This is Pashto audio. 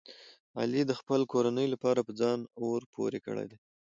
علي د خپلې کورنۍ لپاره په ځان اور پورې کړی دی.